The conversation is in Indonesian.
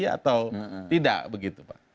atau tidak begitu pak